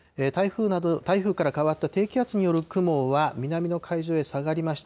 台風から変わった低気圧による雲は南の海上へ下がりました。